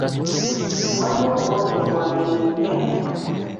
Waliwo obubonero bwa ngeri nnya.